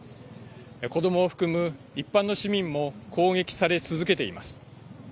子どもを含む一般の市民も攻撃され続けています。